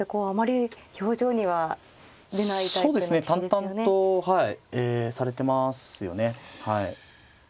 淡々とされてますよね。